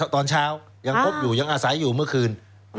ตอนเช้ายังพบอยู่ยังอาศัยอยู่เมื่อคืน